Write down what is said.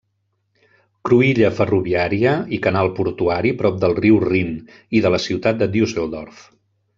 Cruïlla ferroviària i canal portuari prop del riu Rin i de la ciutat de Düsseldorf.